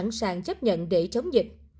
các phường đều sẵn sàng chấp nhận để chống dịch